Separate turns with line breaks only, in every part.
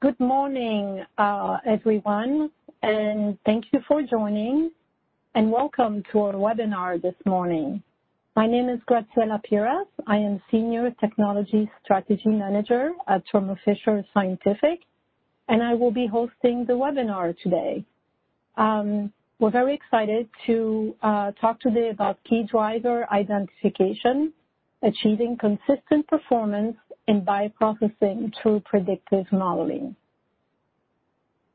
Good morning, everyone, thank you for joining, and welcome to our Webinar this morning. My name is Graziella Piras. I am Senior Technology Strategy Manager at Thermo Fisher Scientific, and I will be hosting the Webinar today. We're very excited to talk today about Key Driver Identification, achieving consistent performance in bioprocessing through predictive modeling.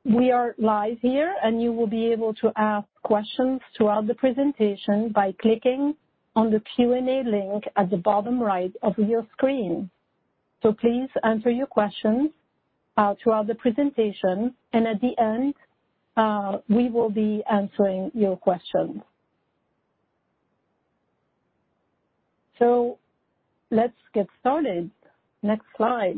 We are live here. You will be able to ask questions throughout the presentation by clicking on the Q&A link at the bottom right of your screen. Please enter your questions throughout the presentation. At the end, we will be answering your questions. Let's get started. Next slide.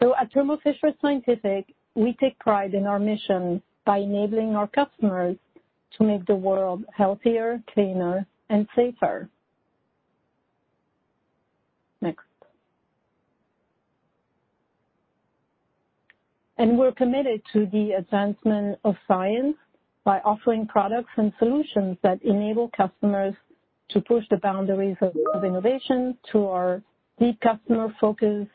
At Thermo Fisher Scientific, we take pride in our mission by enabling our customers to make the world healthier, cleaner, and safer. Next. We're committed to the advancement of science by offering products and solutions that enable customers to push the boundaries of innovation through our deep customer focus,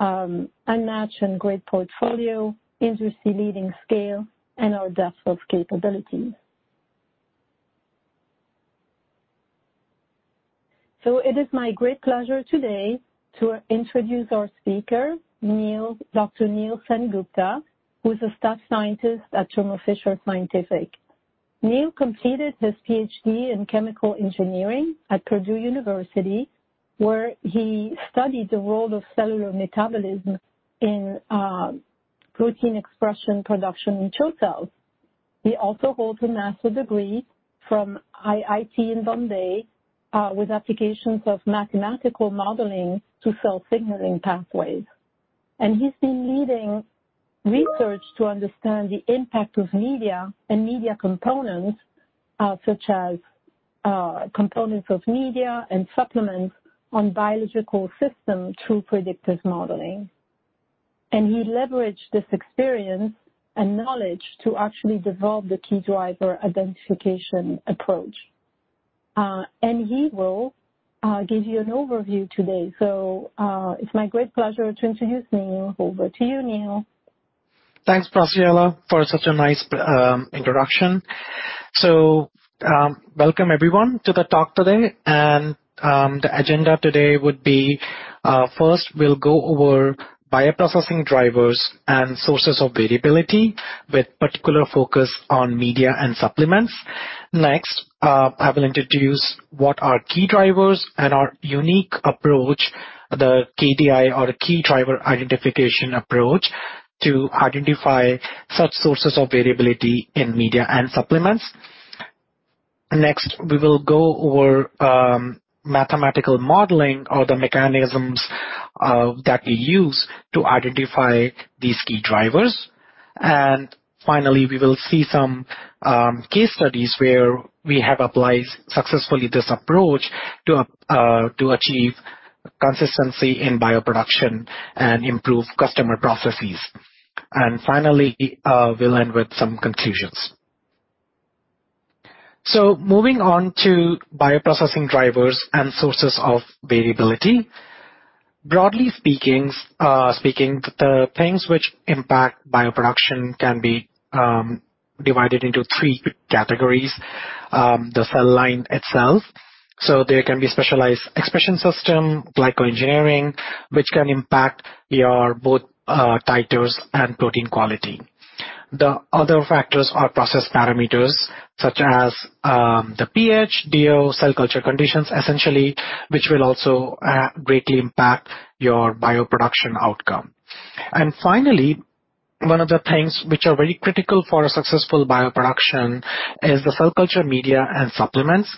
unmatched and great portfolio, industry-leading scale, and our depth of capabilities. It is my great pleasure today to introduce our speaker, Dr. Neel Sengupta, who's a staff scientist at Thermo Fisher Scientific. Neel completed his PhD in Chemical Engineering at Purdue University, where he studied the role of cellular metabolism in protein expression production in CHO cells. He also holds a master's degree from IIT in Bombay, with applications of mathematical modeling to cell signaling pathways. He's been leading research to understand the impact of media and media components, such as components of media and supplements on biological systems through predictive modeling. He leveraged this experience and knowledge to actually develop the Key Driver Identification approach. He will give you an overview today. It's my great pleasure to introduce Neel. Over to you, Neel.
Thanks Graziella, for such a nice introduction. Welcome everyone to the talk today, and the agenda today would be, first we'll go over bioprocessing drivers and sources of variability, with particular focus on media and supplements. Next, I will introduce what are key drivers and our unique approach, the KDI or the Key Driver Identification approach to identify such sources of variability in media and supplements. Next, we will go over mathematical modeling or the mechanisms that we use to identify these key drivers. Finally, we will see some case studies where we have applied successfully this approach to achieve consistency in bioproduction and improve customer processes. Finally, we'll end with some conclusions. Moving on to bioprocessing drivers and sources of variability. Broadly speaking, the things which impact bioproduction can be divided into three categories. The cell line itself. There can be specialized expression system, glycoengineering, which can impact your both titers and protein quality. The other factors are process parameters such as the pH, DO, cell culture conditions essentially, which will also greatly impact your bioproduction outcome. Finally, one of the things which are very critical for a successful bioproduction is the cell culture media and supplements.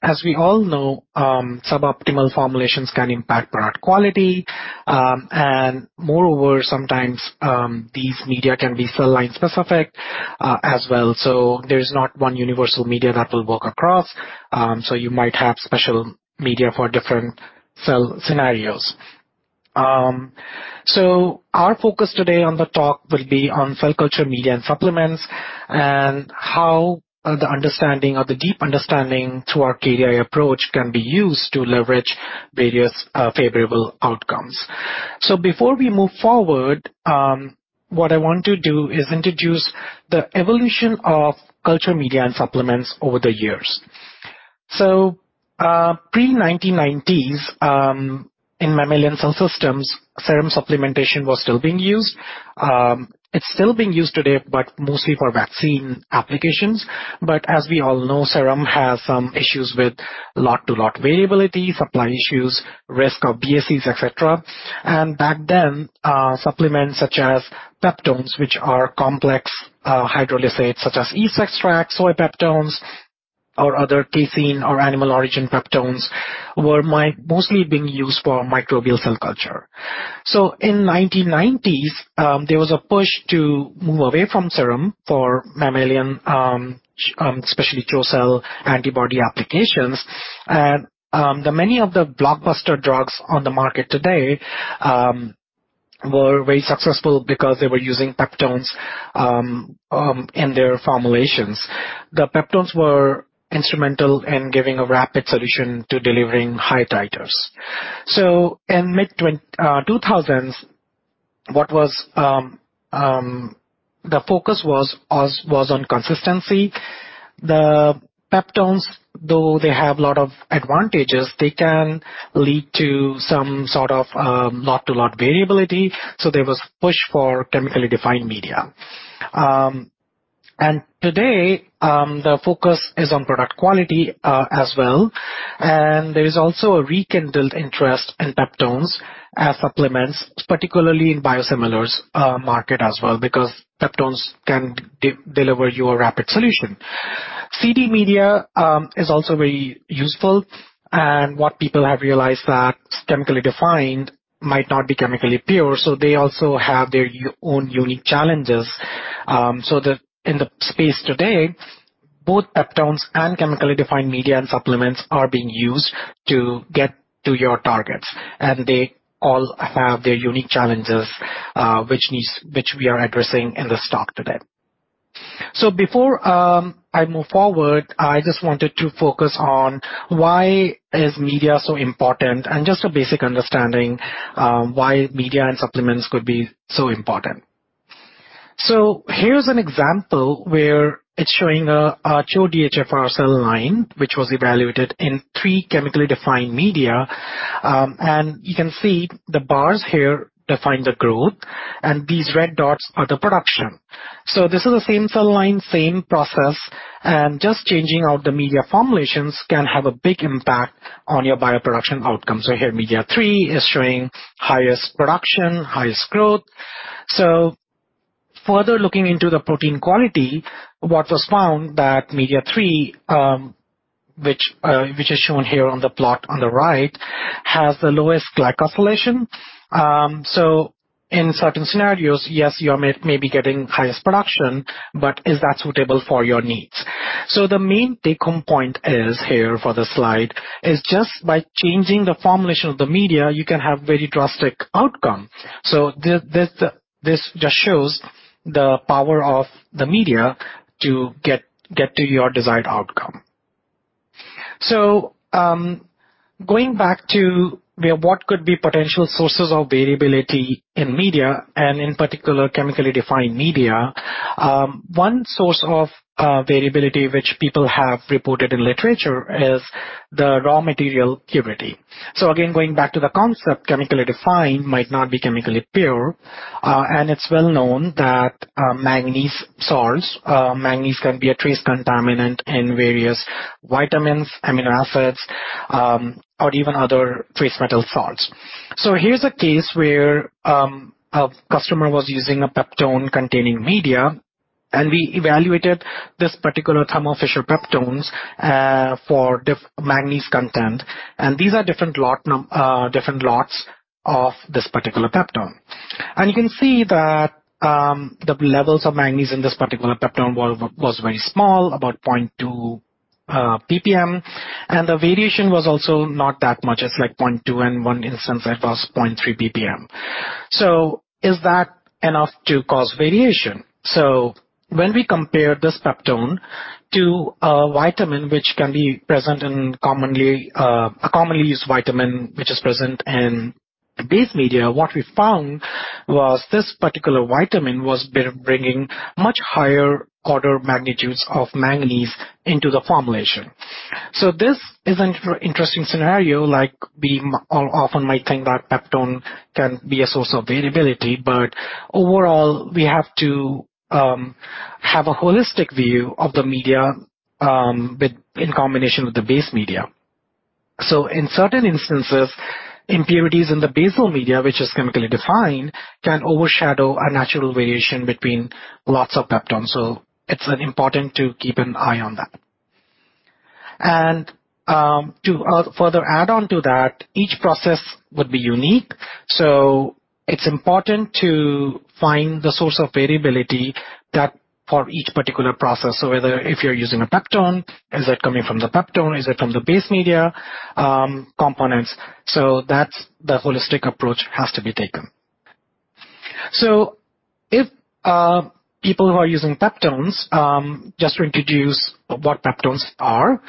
As we all know, suboptimal formulations can impact product quality. Moreover, sometimes these media can be cell line specific as well. There's not one universal media that will work across, so you might have special media for different cell scenarios. Our focus today on the talk will be on cell culture media and supplements and how the understanding or the deep understanding through our KDI approach can be used to leverage various favorable outcomes. Before we move forward, what I want to do is introduce the evolution of culture media and supplements over the years. Pre-1990s, in mammalian cell systems, serum supplementation was still being used. It is still being used today, but mostly for vaccine applications. As we all know, serum has some issues with lot-to-lot variability, supply issues, risk of BSEs, et cetera. Back then, supplements such as peptones, which are complex hydrolysates such as yeast extract, soy peptones or other casein or animal origin peptones, were mostly being used for microbial cell culture. In 1990s, there was a push to move away from serum for mammalian, especially CHO cell antibody applications. Many of the blockbuster drugs on the market today were very successful because they were using peptones in their formulations. The peptones were instrumental in giving a rapid solution to delivering high titers. In mid-2000s, the focus was on consistency. The peptones, though they have a lot of advantages, they can lead to some sort of lot-to-lot variability. There was push for chemically defined media. Today, the focus is on product quality as well, and there is also a rekindled interest in peptones as supplements, particularly in biosimilars market as well, because peptones can deliver you a rapid solution. CD media is also very useful, and what people have realized that chemically defined might not be chemically pure. They also have their own unique challenges. In the space today, both peptones and chemically defined media and supplements are being used to get to your targets, and they all have their unique challenges, which we are addressing in this talk today. Before I move forward, I just wanted to focus on why is media so important and just a basic understanding why media and supplements could be so important. Here's an example where it's showing a CHO DHFR cell line, which was evaluated in three chemically defined media. You can see the bars here define the growth, and these red dots are the production. This is the same cell line, same process, and just changing out the media formulations can have a big impact on your bioproduction outcome. Here, Media Three is showing highest production, highest growth. Further looking into the protein quality, what was found that Media Three, which is shown here on the plot on the right, has the lowest glycosylation. In certain scenarios, yes, you may be getting highest production, but is that suitable for your needs? The main take-home point is here for the slide is just by changing the formulation of the media, you can have very drastic outcome. This just shows the power of the media to get to your desired outcome. Going back to what could be potential sources of variability in media and in particular chemically defined media, one source of variability which people have reported in literature is the raw material purity. Again, going back to the concept, chemically defined might not be chemically pure, and it's well known that manganese salts, manganese can be a trace contaminant in various vitamins, amino acids, or even other trace metal salts. Here's a case where a customer was using a peptone-containing media, and we evaluated this particular Thermo Fisher peptones for manganese content, and these are different lots of this particular peptone. You can see that the levels of manganese in this particular peptone was very small, about 0.2 ppm, and the variation was also not that much. It's like 0.2 and one instance it was 0.3 ppm. Is that enough to cause variation? When we compare this peptone to a vitamin which can be present in a commonly used vitamin, which is present in base media, what we found was this particular vitamin was bringing much higher order magnitudes of manganese into the formulation. This is an interesting scenario like we often might think that peptone can be a source of variability. Overall, we have to have a holistic view of the media in combination with the base media. In certain instances, impurities in the basal media, which is chemically defined, can overshadow a natural variation between lots of peptone. It's important to keep an eye on that. To further add on to that, each process would be unique. It's important to find the source of variability for each particular process. Whether if you're using a peptone, is that coming from the peptone? Is it from the base media components? That holistic approach has to be taken. If people who are using peptones, just to introduce what peptones are,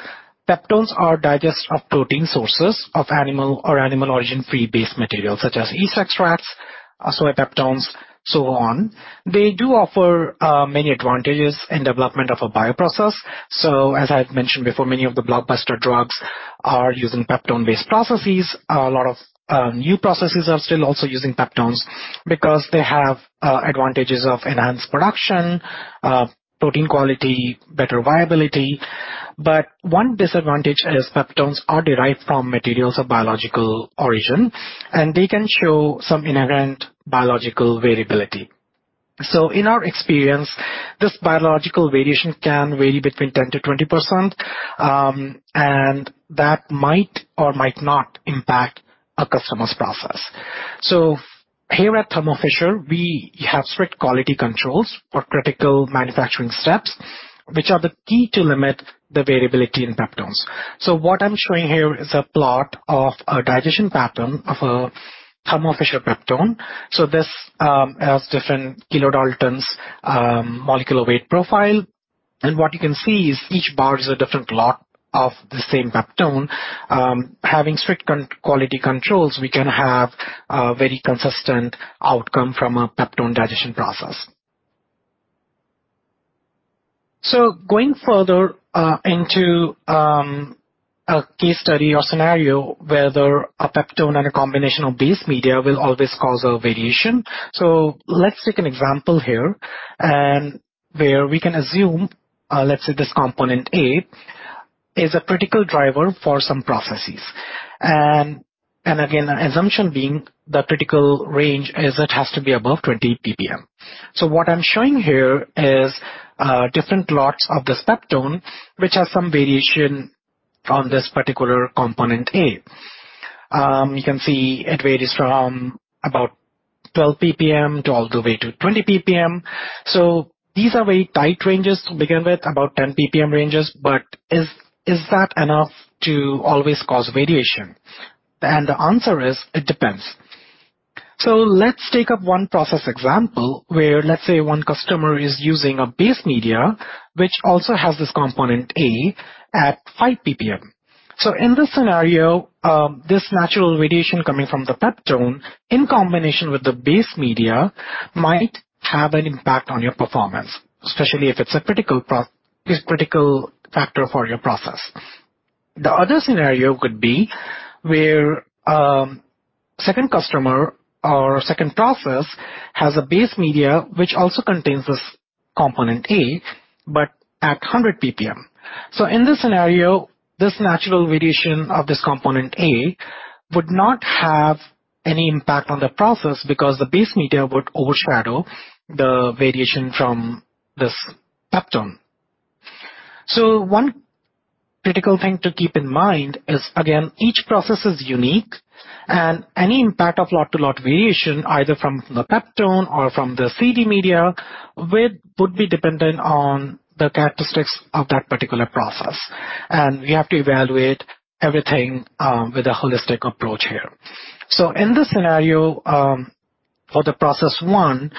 peptones are digest of protein sources of animal or animal origin free base materials such as yeast extracts, soy peptones, so on. They do offer many advantages in development of a bioprocess. As I had mentioned before, many of the blockbuster drugs are using peptone-based processes. A lot of new processes are still also using peptones because they have advantages of enhanced production, protein quality, better viability. One disadvantage is peptones are derived from materials of biological origin, and they can show some inherent biological variability. In our experience, this biological variation can vary between 10%-20%, and that might or might not impact a customer's process. Here at Thermo Fisher, we have strict quality controls for critical manufacturing steps, which are the key to limit the variability in peptones. What I'm showing here is a plot of a digestion pattern of a Thermo Fisher peptone. This has different kilodaltons molecular weight profile. What you can see is each bar is a different plot of the same peptone. Having strict quality controls, we can have a very consistent outcome from a peptone digestion process. Going further into a case study or scenario whether a peptone and a combination of base media will always cause a variation. Let's take an example here, where we can assume, let's say this component A is a critical driver for some processes. Again, the assumption being the critical range is it has to be above 20 ppm. What I'm showing here is different plots of this peptone, which has some variation on this particular component A. You can see it varies from about 12 ppm all the way to 20 ppm. These are very tight ranges to begin with, about 10 ppm ranges. Is that enough to always cause variation? The answer is, it depends. Let's take up one process example where, let's say, one customer is using a base media which also has this component A at 5 ppm. In this scenario, this natural variation coming from the peptone in combination with the base media might have an impact on your performance, especially if it's a critical factor for your process. The other scenario could be where a second customer or a second process has a base media which also contains this component A, but at 100 ppm. In this scenario, this natural variation of this component A would not have any impact on the process because the base media would overshadow the variation from this peptone. One critical thing to keep in mind is, again, each process is unique, and any impact of lot-to-lot variation, either from the peptone or from the CD media, would be dependent on the characteristics of that particular process. We have to evaluate everything with a holistic approach here. In this scenario, for the process one,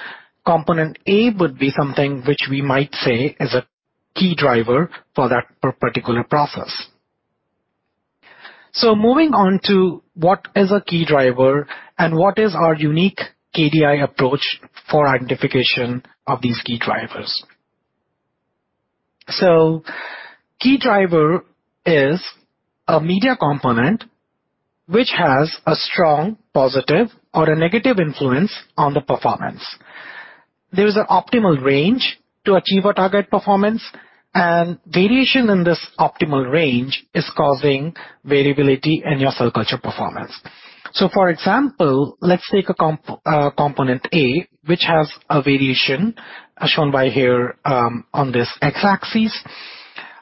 component A would be something which we might say is a key driver for that particular process. Moving on to what is a key driver and what is our unique KDI approach for identification of these key drivers. Key driver is a media component which has a strong positive or a negative influence on the performance. There is an optimal range to achieve a target performance, and variation in this optimal range is causing variability in your cell culture performance. For example, let's take a component A, which has a variation as shown by here on this X-axis.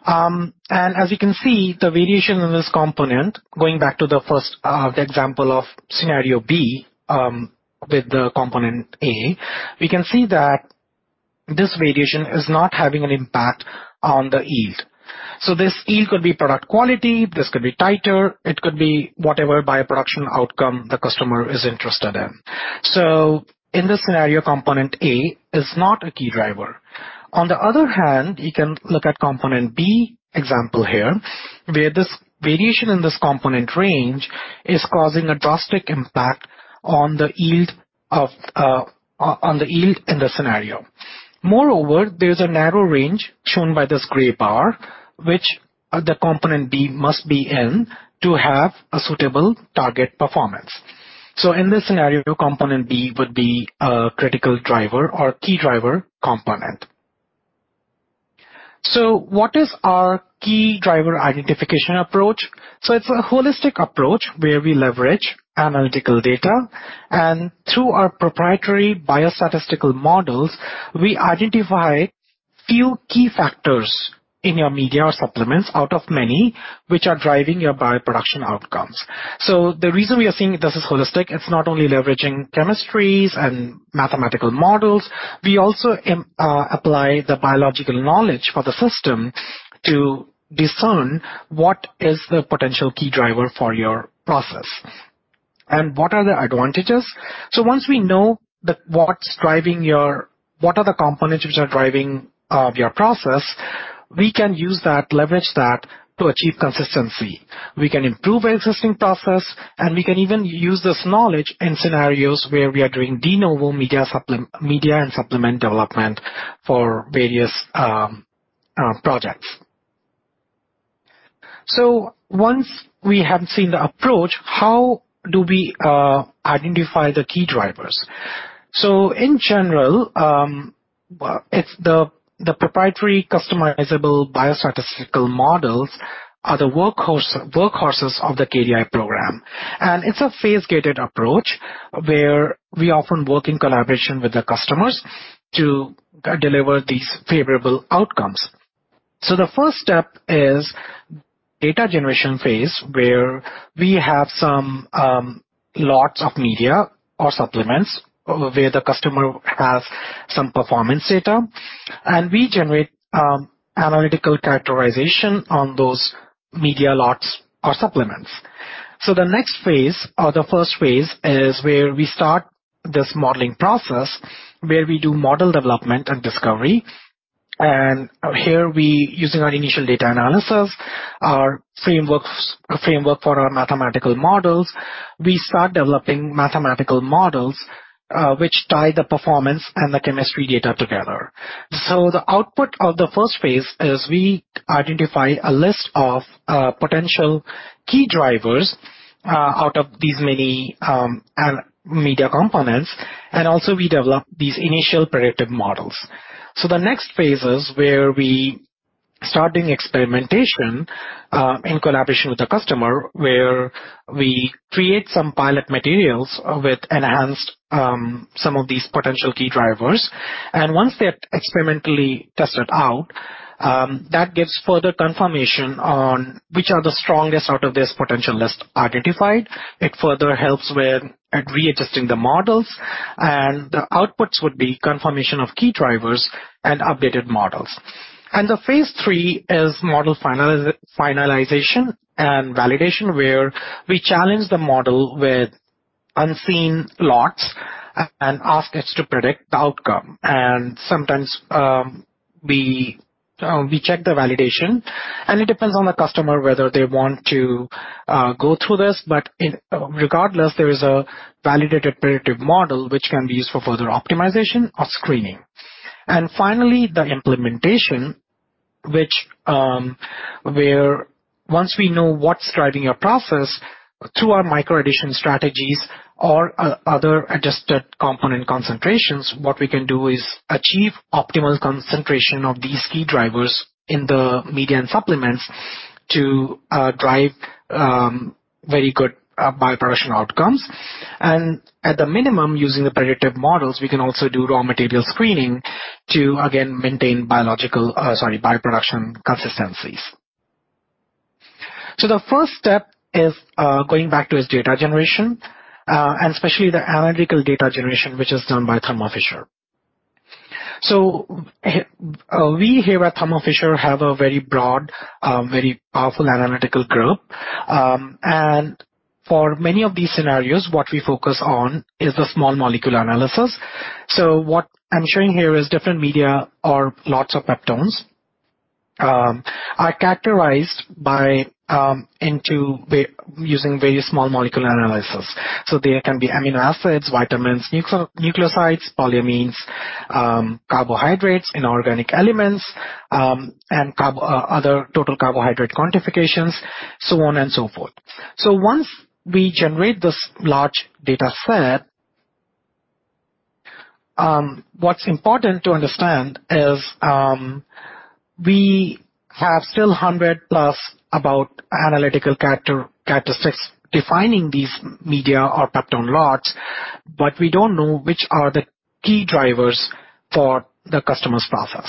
As you can see, the variation in this component, going back to the first example of scenario B with the component A, we can see that this variation is not having an impact on the yield. This yield could be product quality, this could be tighter, it could be whatever bioproduction outcome the customer is interested in. In this scenario, component A is not a key driver. On the other hand, you can look at component B example here, where this variation in this component range is causing a drastic impact on the yield in the scenario. Moreover, there's a narrow range shown by this gray bar, which the component B must be in to have a suitable target performance. In this scenario, component B would be a critical driver or a key driver component. What is our Key Driver Identification approach? It's a holistic approach where we leverage analytical data, and through our proprietary biostatistical models, we identify few key factors in your media or supplements out of many which are driving your bioproduction outcomes. The reason we are saying this is holistic, it's not only leveraging chemistries and mathematical models, we also apply the biological knowledge for the system to discern what is the potential key driver for your process. What are the advantages? Once we know what are the components which are driving your process, we can use that, leverage that to achieve consistency. We can improve our existing process, and we can even use this knowledge in scenarios where we are doing de novo media and supplement development for various projects. Once we have seen the approach, how do we identify the key drivers? In general, well, the proprietary customizable biostatistical models are the workhorses of the KDI program. It's a phase-gated approach, where we often work in collaboration with the customers to deliver these favorable outcomes. The first step is data generation phase, where we have some lots of media or supplements where the customer has some performance data, and we generate analytical characterization on those media lots or supplements. The next phase, or the first phase, is where we start this modeling process, where we do model development and discovery. Here we, using our initial data analysis, our framework for our mathematical models, we start developing mathematical models, which tie the performance and the chemistry data together. The output of the first phase is we identify a list of potential key drivers out of these many media components, and also we develop these initial predictive models. The next phase is where we start doing experimentation, in collaboration with the customer, where we create some pilot materials with enhanced some of these potential key drivers. Once they're experimentally tested out, that gives further confirmation on which are the strongest out of this potential list identified. It further helps with readjusting the models, and the outputs would be confirmation of key drivers and updated models. The phase III is model finalization and validation, where we challenge the model with unseen lots and ask it to predict the outcome. Sometimes, we check the validation, and it depends on the customer whether they want to go through this. Regardless, there is a validated predictive model which can be used for further optimization or screening. Finally, the implementation, where once we know what's driving a process through our micro addition strategies or other adjusted component concentrations, what we can do is achieve optimal concentration of these key drivers in the media and supplements to drive very good bioproduction outcomes. At the minimum, using the predictive models, we can also do raw material screening to again maintain bioproduction consistencies. The first step is going back to is data generation, and especially the analytical data generation, which is done by Thermo Fisher. We here at Thermo Fisher have a very broad, very powerful analytical group. For many of these scenarios, what we focus on is the small molecule analysis. What I'm showing here is different media or lots of peptones are characterized into using very small molecule analysis. They can be amino acids, vitamins, nucleosides, polyamines, carbohydrates, inorganic elements, and other total carbohydrate quantifications, so on and so forth. Once we generate this large data set, what's important to understand is we have still 100+ about analytical characteristics defining these media or peptone lots, but we don't know which are the key drivers for the customer's process.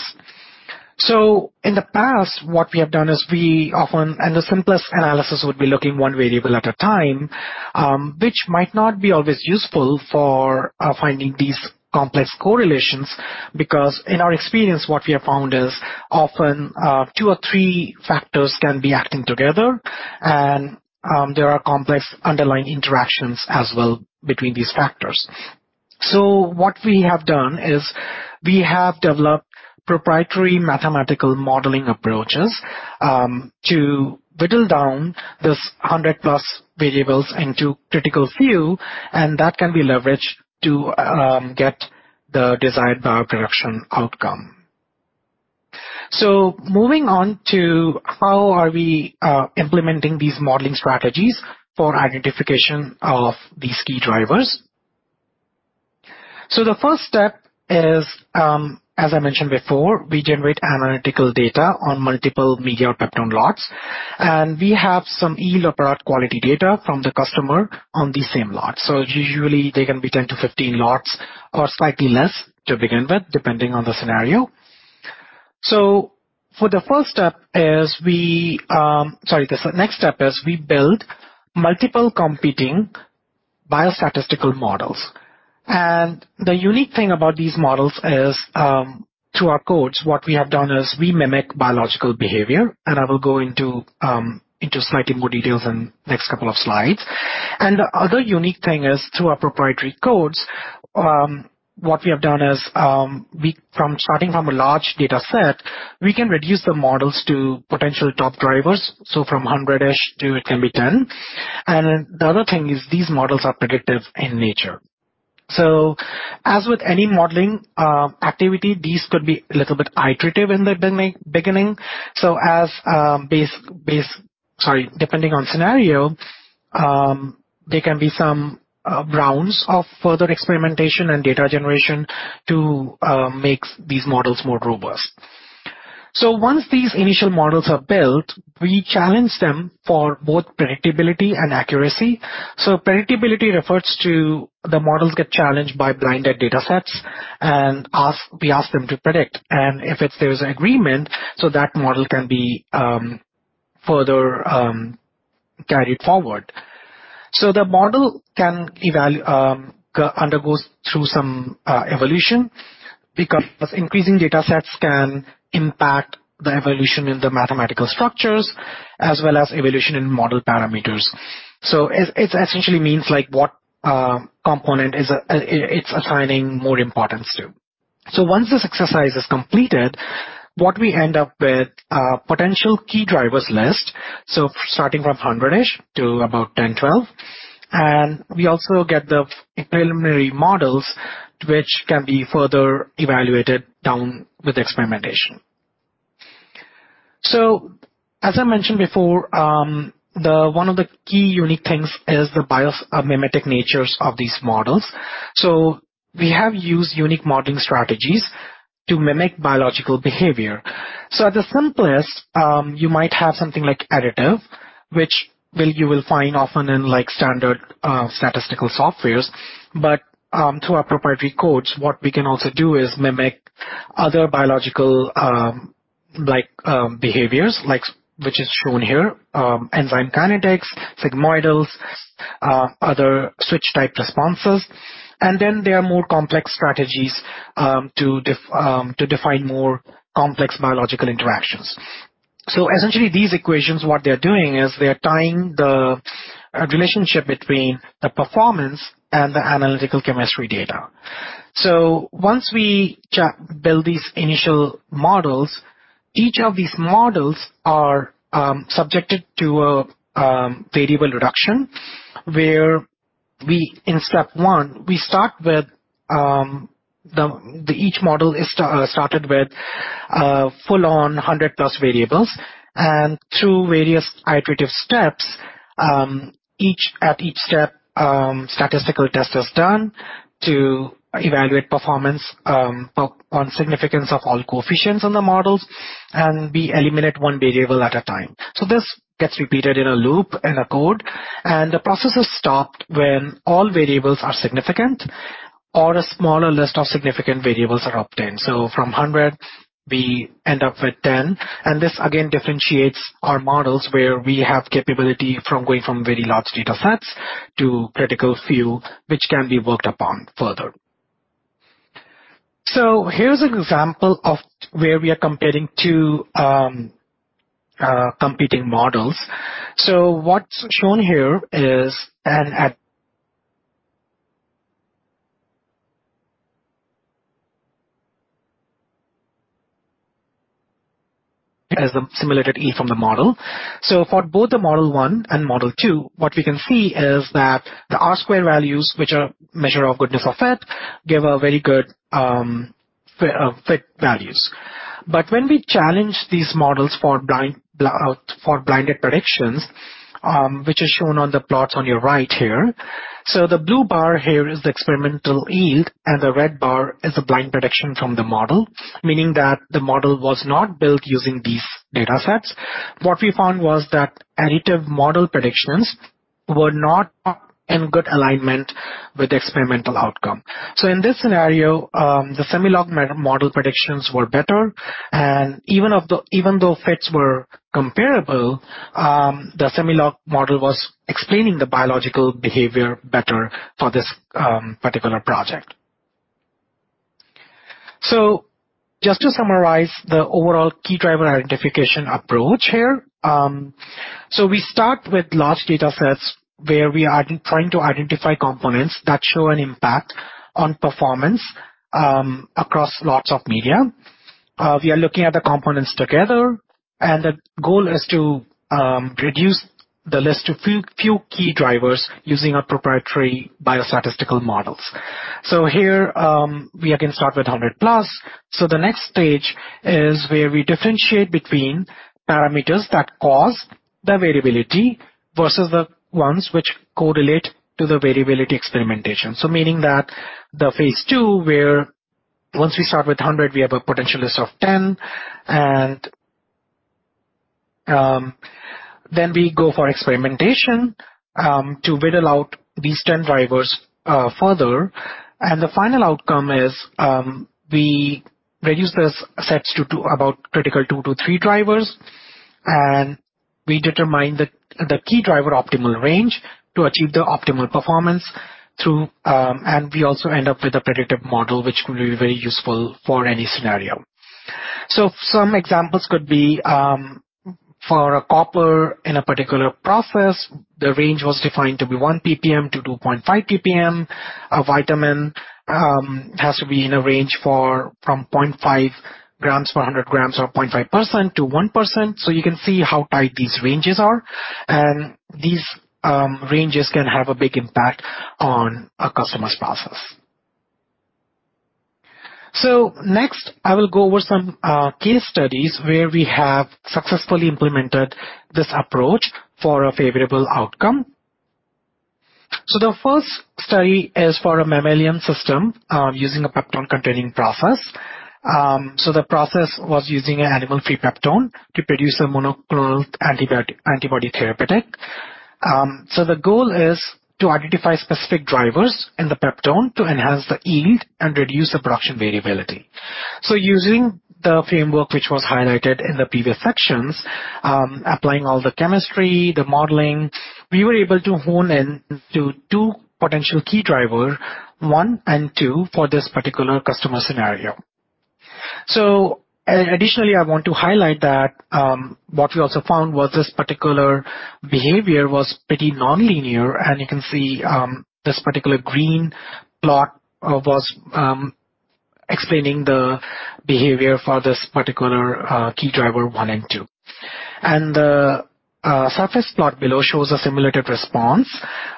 In the past, what we have done is we often, and the simplest analysis would be looking one variable at a time, which might not be always useful for finding these complex correlations, because in our experience, what we have found is often two or three factors can be acting together, and there are complex underlying interactions as well between these factors. What we have done is we have developed proprietary mathematical modeling approaches to whittle down these 100+ variables into critical few, and that can be leveraged to get the desired bioproduction outcome. Moving on to how are we implementing these modeling strategies for identification of these Key Drivers. The first step is, as I mentioned before, we generate analytical data on multiple media or peptone lots, and we have some yield of product quality data from the customer on the same lot. Usually they can be 10-15 lots or slightly less to begin with, depending on the scenario. The next step is we build multiple competing biostatistical models. The unique thing about these models is, through our codes, what we have done is we mimic biological behavior, and I will go into slightly more details in next couple of slides. The other unique thing is, through our proprietary codes, what we have done is, starting from a large data set, we can reduce the models to potential top drivers, from 100-ish to it can be 10. The other thing is, these models are predictive in nature. As with any modeling activity, these could be a little bit iterative in the beginning. Depending on scenario, there can be some rounds of further experimentation and data generation to make these models more robust. Once these initial models are built, we challenge them for both predictability and accuracy. Predictability refers to the models get challenged by blind datasets, and we ask them to predict. If there's an agreement, that model can be further carried forward. The model undergoes through some evolution because increasing datasets can impact the evolution in the mathematical structures as well as evolution in model parameters. It essentially means what component it's assigning more importance to. Once this exercise is completed, what we end up with, a potential key drivers list. Starting from 100-ish to about 10, 12. We also get the preliminary models which can be further evaluated down with experimentation. As I mentioned before, one of the key unique things is the biomimetic natures of these models. We have used unique modeling strategies to mimic biological behavior. At the simplest, you might have something like additive, which you will find often in standard statistical softwares. Through our proprietary codes, what we can also do is mimic other biological behaviors, which is shown here, enzyme kinetics, sigmoidal, other switch-type responses. There are more complex strategies to define more complex biological interactions. Essentially these equations, what they're doing is they're tying the relationship between the performance and the analytical chemistry data. Once we build these initial models, each of these models are subjected to a variable reduction where in step one, each model is started with a full on 100+ variables. Through various iterative steps, at each step, statistical test is done to evaluate performance on significance of all coefficients on the models, and we eliminate one variable at a time. This gets repeated in a loop in a code, and the process is stopped when all variables are significant or a smaller list of significant variables are obtained. From 100, we end up with 10. This again differentiates our models where we have capability from going from very large datasets to critical few which can be worked upon further. Here's an example of where we are comparing two competing models. What's shown here is as the simulated E from the model. For both the model 1 and model 2, what we can see is that the R-squared values, which are measure of goodness of fit, give a very good fit values. When we challenge these models for blinded predictions, which is shown on the plots on your right here. The blue bar here is the experimental yield and the red bar is the blind prediction from the model, meaning that the model was not built using these datasets. What we found was that additive model predictions were not in good alignment with the experimental outcome. In this scenario, the semi-log model predictions were better. Even though fits were comparable, the semi-log model was explaining the biological behavior better for this particular project. Just to summarize the overall Key Driver Identification approach here. We start with large datasets where we are trying to identify components that show an impact on performance across lots of media. We are looking at the components together, and the goal is to reduce the list to few key drivers using our proprietary biostatistical models. Here, we again start with 100+. The next stage is where we differentiate between parameters that cause the variability versus the ones which correlate to the variability experimentation. Meaning that the phase II, where once we start with 100, we have a potential list of 10, and then we go for experimentation to whittle out these 10 drivers further. The final outcome is, we reduce the sets to about critical two to three drivers, and we determine the key driver optimal range to achieve the optimal performance through. We also end up with a predictive model which could be very useful for any scenario. Some examples could be, for a copper in a particular process, the range was defined to be 1 ppm-2.5 ppm. A vitamin has to be in a range from 0.5 grams per 100 grams or 0.5%-1%. You can see how tight these ranges are. These ranges can have a big impact on a customer's process. Next I will go over some case studies where we have successfully implemented this approach for a favorable outcome. The first study is for a mammalian system using a peptone containing process. The process was using an animal-free peptone to produce a monoclonal antibody therapeutic. The goal is to identify specific drivers in the peptone to enhance the yield and reduce the production variability. Using the framework which was highlighted in the previous sections, applying all the chemistry, the modeling, we were able to hone in to two potential key driver, one and two, for this particular customer scenario. Additionally, I want to highlight that what we also found was this particular behavior was pretty nonlinear, and you can see this particular green plot was explaining the behavior for this particular key driver one and two. The surface plot below shows a simulated response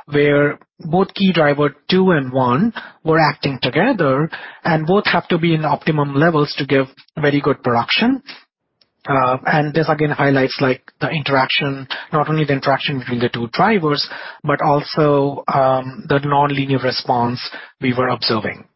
where both key driver two and one were acting together and both have to be in optimum levels to give very good production. This again highlights the interaction, not only the interaction between the two drivers, but also the nonlinear response we were observing.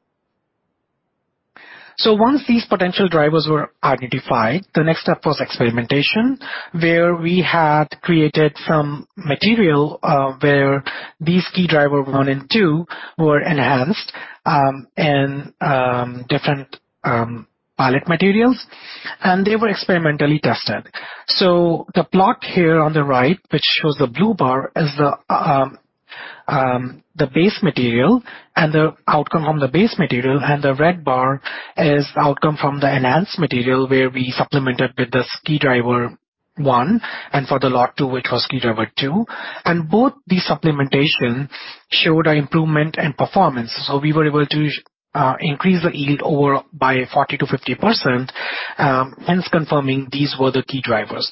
Once these potential drivers were identified, the next step was experimentation, where we had created some material where these key driver one and two were enhanced in different pilot materials, and they were experimentally tested. The plot here on the right, which shows the blue bar, is the base material and the outcome from the base material, and the red bar is the outcome from the enhanced material, where we supplemented with this Key Driver 1, and for the lot 2, which was Key Driver 2. Both these supplementation showed an improvement in performance. We were able to increase the yield by 40%-50%, hence confirming these were the key drivers.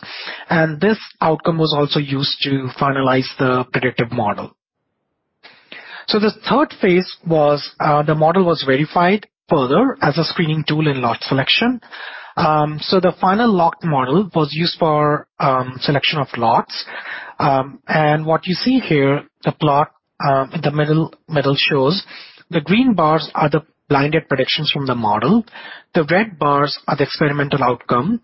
This outcome was also used to finalize the predictive model. The third phase was the model was verified further as a screening tool in lot selection. The final locked model was used for selection of lots. What you see here, the plot in the middle shows the green bars are the blinded predictions from the model, the red bars are the experimental outcome,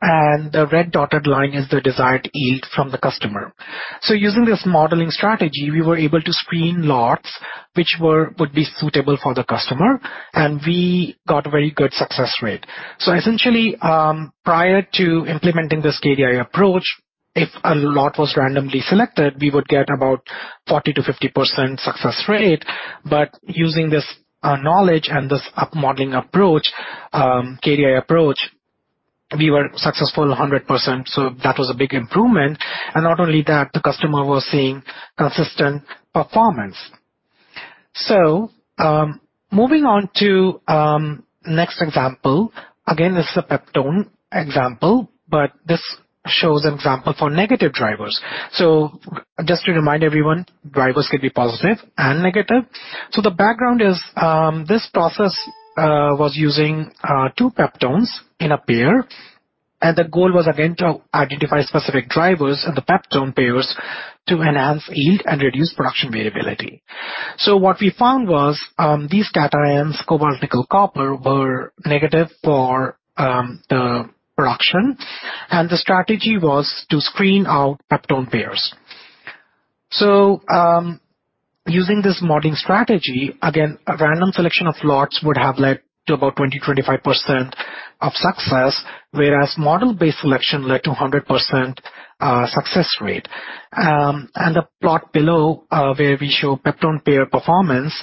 and the red dotted line is the desired yield from the customer. Using this modeling strategy, we were able to screen lots which would be suitable for the customer, and we got a very good success rate. Essentially, prior to implementing this KDI approach, if a lot was randomly selected, we would get about 40%-50% success rate. Using this knowledge and this modeling approach, KDI approach, we were successful 100%. That was a big improvement. Not only that, the customer was seeing consistent performance. Moving on to next example. Again, this is a peptone example, but this shows an example for negative drivers. Just to remind everyone, drivers can be positive and negative. The background is, this process was using two peptones in a pair, and the goal was again to identify specific drivers in the peptone pairs to enhance yield and reduce production variability. What we found was these cations, cobalt, nickel, copper, were negative for the production, and the strategy was to screen out peptone pairs. Using this modeling strategy, again, a random selection of lots would have led to about 20%-25% of success, whereas model-based selection led to 100% success rate. The plot below, where we show peptone pair performance,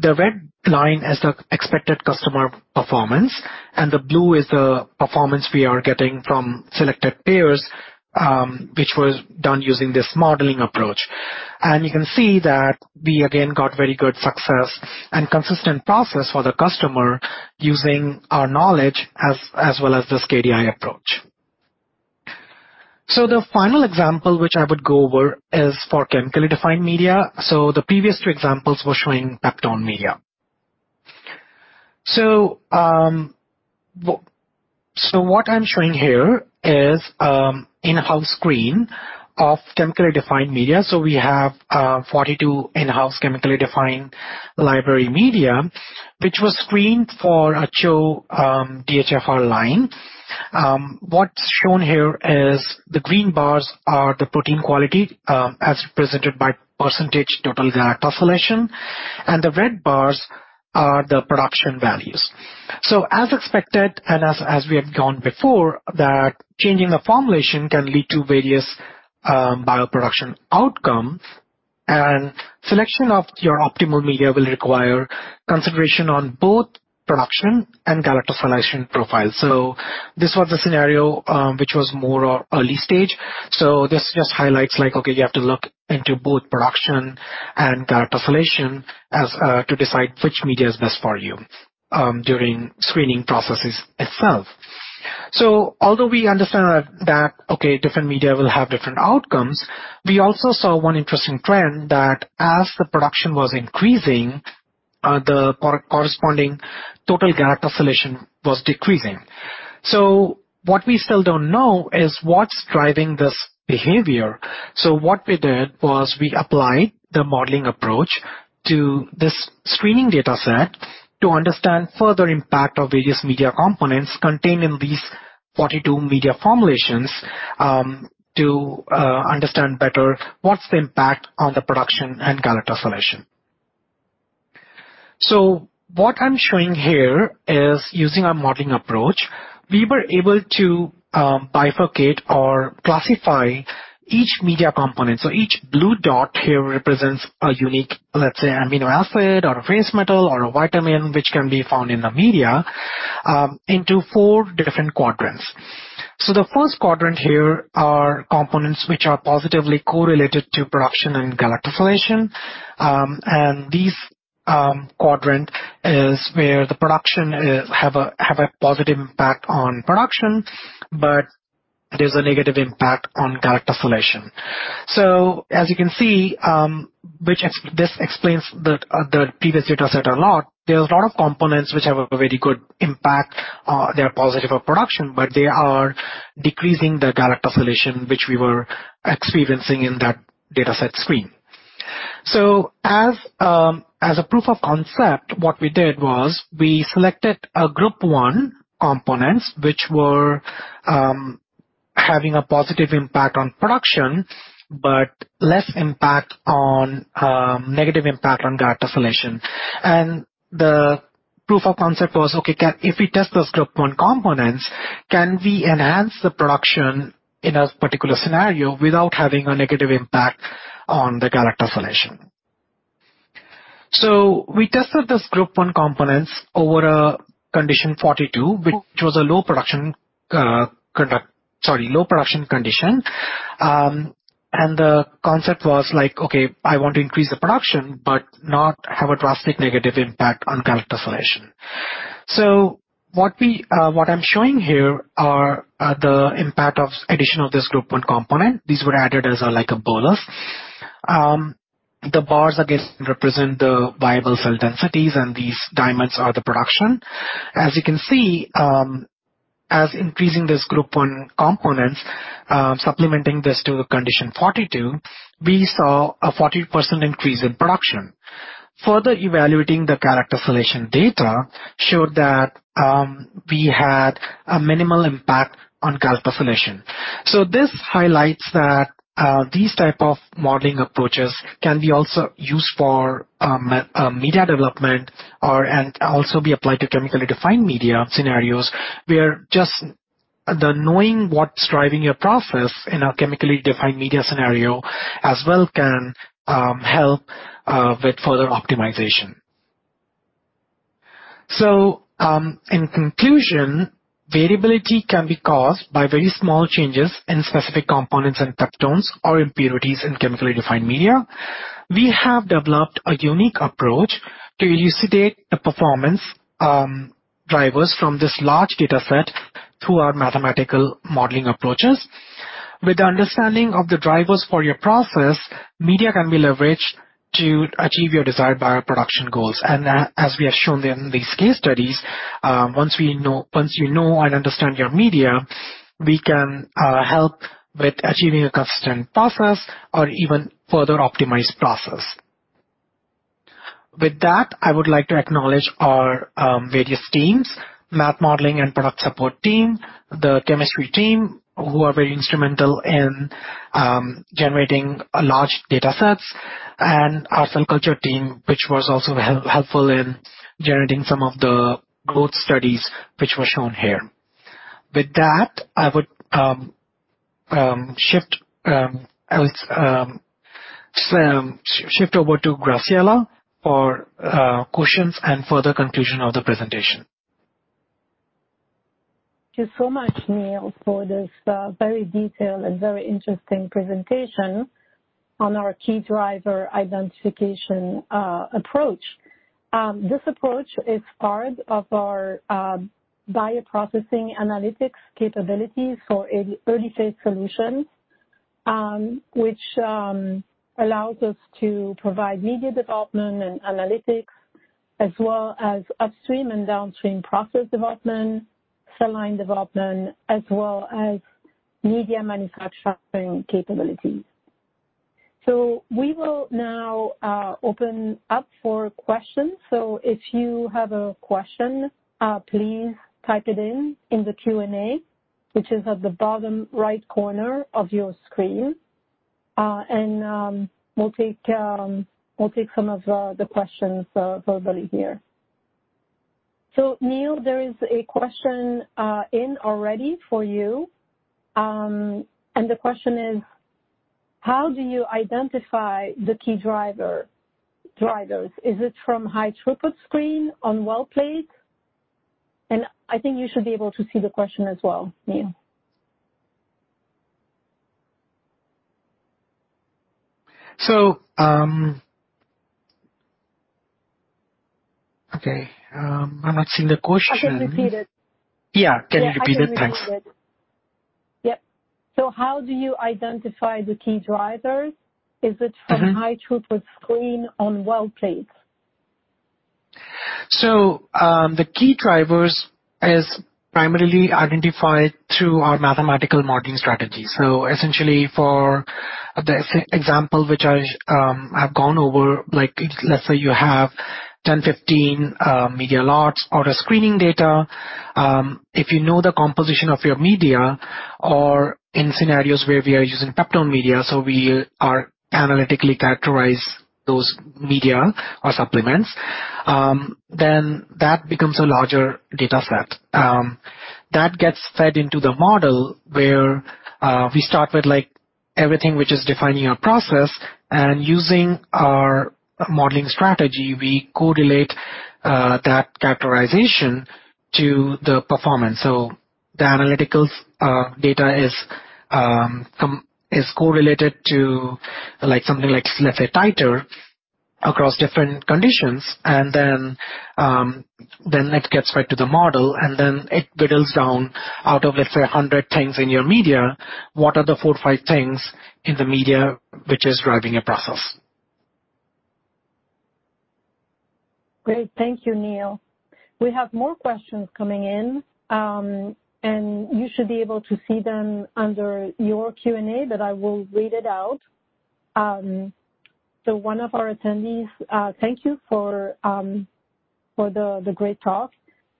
the red line is the expected customer performance, and the blue is the performance we are getting from selected pairs, which was done using this modeling approach. You can see that we again got very good success and consistent process for the customer using our knowledge as well as this KDI approach. The final example which I would go over is for chemically defined media. The previous two examples were showing peptone media. What I'm showing here is in-house screen of chemically defined media. We have 42 in-house chemically defined library media which was screened for a CHO DHFR line. What's shown here is the green bars are the protein quality as presented by percentage total galactosylation, and the red bars are the production values. As expected, and as we have gone before, that changing the formulation can lead to various bioproduction outcomes, and selection of your optimal media will require consideration on both production and galactosylation profile. This was a scenario which was more early stage. This just highlights like, okay, you have to look into both production and galactosylation to decide which media is best for you during screening processes itself. Although we understand that, okay, different media will have different outcomes, we also saw one interesting trend that as the production was increasing, the corresponding total galactosylation was decreasing. What we still don't know is what's driving this behavior. What we did was we applied the modeling approach to this screening data set to understand further impact of various media components contained in these 42 media formulations, to understand better what's the impact on the production and galactosylation. What I'm showing here is using our modeling approach, we were able to bifurcate or classify each media component. Each blue dot here represents a unique, let's say, amino acid or a trace metal or a vitamin, which can be found in the media into four different quadrants. The first quadrant here are components which are positively correlated to production and galactosylation. This quadrant is where the production have a positive impact on production, but there's a negative impact on galactosylation. As you can see, this explains the previous data set a lot. There's a lot of components which have a very good impact. They are positive for production, but they are decreasing the galactosylation, which we were experiencing in that data set screen. As a proof of concept, what we did was we selected a group one components which were having a positive impact on production, but less impact on negative impact on galactosylation. The proof of concept was, okay, if we test those group one components, can we enhance the production in a particular scenario without having a negative impact on the galactosylation? We tested this group one components over a condition 42, which was a low production condition. The concept was like, okay, I want to increase the production, but not have a drastic negative impact on galactosylation. What I'm showing here are the impact of addition of this group 1 component. These were added as like a bolus. The bars, I guess, represent the viable cell densities, and these diamonds are the production. As you can see, as increasing this group one components, supplementing this to the condition 42, we saw a 40% increase in production. Further evaluating the galactosylation data showed that we had a minimal impact on galactosylation. This highlights that these type of modeling approaches can be also used for media development or and also be applied to chemically defined media scenarios where just the knowing what's driving your process in a chemically defined media scenario as well can help with further optimization. In conclusion, variability can be caused by very small changes in specific components and peptones or impurities in chemically defined media. We have developed a unique approach to elucidate the performance drivers from this large data set through our mathematical modeling approaches. With the understanding of the drivers for your process, media can be leveraged to achieve your desired bioproduction goals. As we have shown in these case studies, once you know and understand your media, we can help with achieving a consistent process or even further optimize process. With that, I would like to acknowledge our various teams, math modeling and product support team, the chemistry team, who are very instrumental in generating large datasets, and our cell culture team, which was also helpful in generating some of the growth studies which were shown here. With that, I would shift over to Graziella for questions and further conclusion of the presentation.
Thank you so much, Neel, for this very detailed and very interesting presentation on our Key Driver Identification approach. This approach is part of our bioprocessing analytics capabilities for early phase solutions, which allows us to provide media development and analytics as well as upstream and downstream process development, cell line development, as well as media manufacturing capabilities. We will now open up for questions. If you have a question, please type it in, in the Q&A, which is at the bottom right corner of your screen. We'll take some of the questions verbally here. Neel, there is a question in already for you. The question is: How do you identify the key drivers? Is it from high-throughput screen on well plates? I think you should be able to see the question as well, Neel.
Okay. I'm not seeing the question.
I can repeat it.
Yeah. Can you repeat it? Thanks.
Yeah, I can repeat it. Yep. How do you identify the key drivers? Is it from high throughput screen on well plates?
The Key drivers is primarily identified through our mathematical modeling strategy. Essentially for the example which I have gone over, let's say you have 10, 15 media lots or a screening data. If you know the composition of your media or in scenarios where we are using peptone media, so we are analytically characterize those media or supplements, then that becomes a larger data set. That gets fed into the model where we start with everything which is defining our process and using our modeling strategy, we correlate that characterization to the performance. The analytical data is correlated to something like let's say titer across different conditions. Then, it gets fed to the model, and then it whittles down out of, let's say, 100 things in your media, what are the four or five things in the media which is driving a process.
Great. Thank you, Neel. We have more questions coming in, and you should be able to see them under your Q&A, but I will read it out. One of our attendees, thank you for the great talk.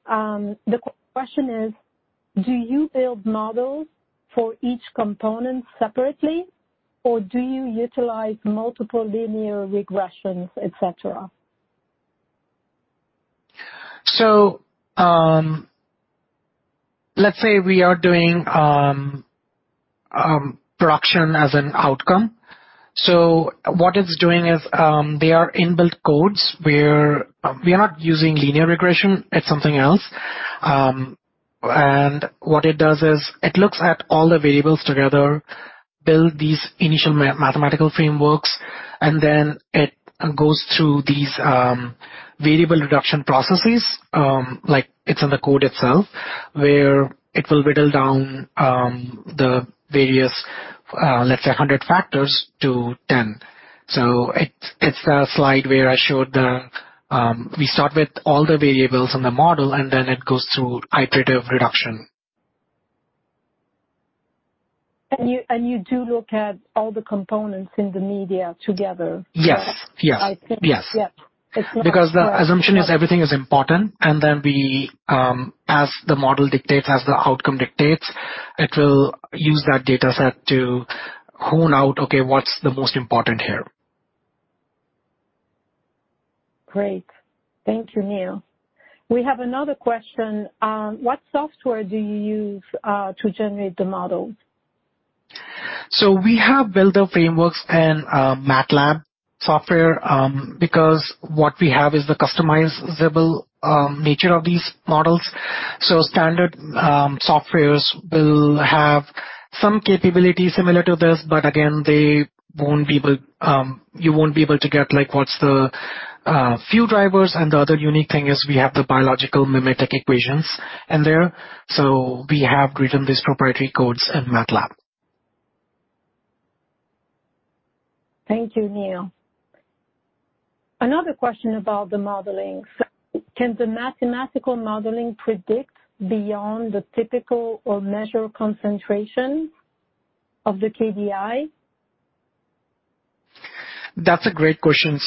The question is, do you build models for each component separately, or do you utilize multiple linear regression, et cetera?
Let's say we are doing production as an outcome. What it's doing is, they are inbuilt codes where we are not using linear regression, it's something else. What it does is it looks at all the variables together, build these initial mathematical frameworks, then it goes through these variable reduction processes, like it's in the code itself, where it will whittle down the various, let's say, 100 factors to 10. It's the slide where I showed we start with all the variables in the model, then it goes through iterative reduction.
You do look at all the components in the media together?
Yes.
I think-
Yes.
Yep.
The assumption is everything is important, and then as the model dictates, as the outcome dictates, it will use that data set to hone out, okay, what's the most important here.
Great. Thank you, Neel. We have another question. What software do you use to generate the models?
We have built our frameworks in MATLAB software, because what we have is the customizable nature of these models. Standard softwares will have some capability similar to this, but again, you won't be able to get what's the few drivers, and the other unique thing is we have the biomimetic equations in there. We have written these proprietary codes in MATLAB.
Thank you, Neel. Another question about the modeling. Can the mathematical modeling predict beyond the typical or measured concentration of the KDI?
That's a great question.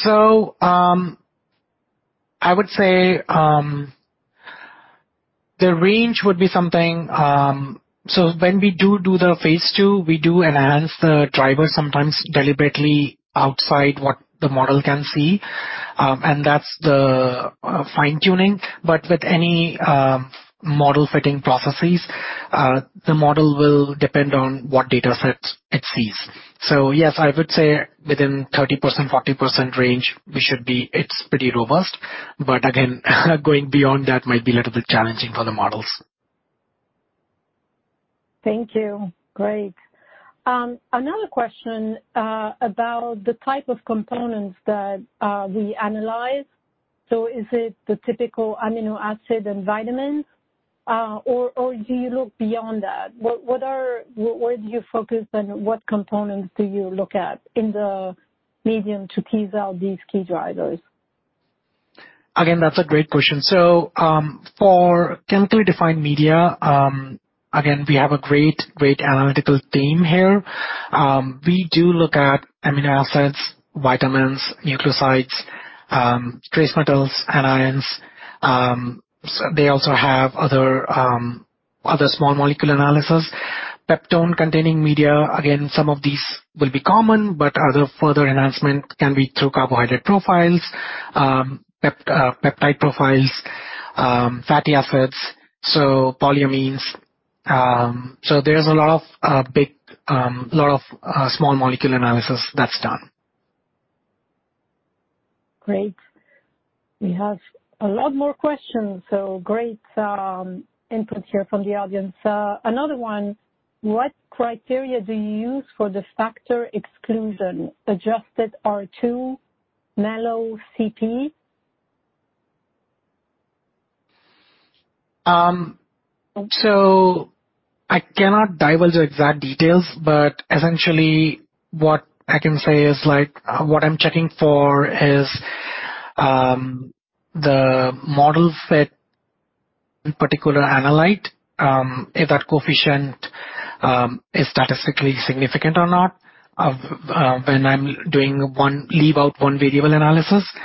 I would say, the range would be something. When we do the phase II, we do enhance the drivers sometimes deliberately outside what the model can see. That's the fine-tuning. With any model fitting processes, the model will depend on what data sets it sees. Yes, I would say within 30%-40% range, it's pretty robust. Again, going beyond that might be a little bit challenging for the models.
Thank you. Great. Another question about the type of components that we analyze. Is it the typical amino acid and vitamin, or do you look beyond that? Where do you focus, and what components do you look at in the medium to tease out these key drivers?
Again, that's a great question. For chemically defined media, again, we have a great analytical team here. We do look at amino acids, vitamins, nucleosides, trace metals, anions. They also have other small molecule analysis. peptone-containing media, again, some of these will be common, but other further enhancement can be through carbohydrate profiles, peptide profiles, fatty acids, so polyamines. There's a lot of small molecule analysis that's done.
Great. We have a lot more questions, so great input here from the audience. Another one, what criteria do you use for the factor exclusion, adjusted R², Mallows' Cp?
I cannot divulge the exact details, but essentially what I can say is what I'm checking for is the model fit particular analyte, if that coefficient is statistically significant or not when I'm doing leave-one-out analysis.